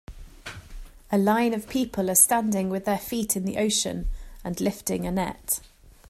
A line of people are standing with their feet in the ocean and lifting a net.